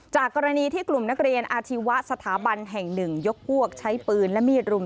จากกรณีที่กลุ่มนักเรียนอาชีวะสถาบันแห่งหนึ่งยกพวกใช้ปืนและมีดรุม